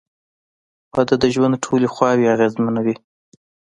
• واده د ژوند ټولې خواوې اغېزمنوي.